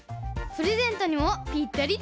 プレゼントにもぴったりでしょ？